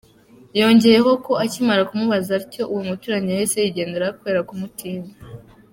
Yongeyeho ko akimara kumubaza atyo, uwo muturanyi yahise yigendera kubera kumutinya.